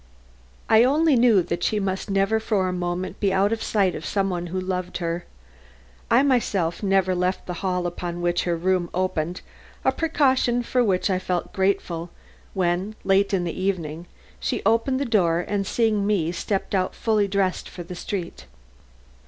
I only knew that she must never for a moment be out of sight of some one who loved her. I myself never left the hall upon which her room opened, a precaution for which I felt grateful when, late in the evening, she opened the door and, seeing me, stepped out fully dressed for the street.